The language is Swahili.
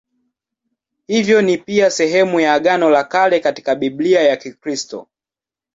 Hivyo ni pia sehemu ya Agano la Kale katika Biblia ya Kikristo.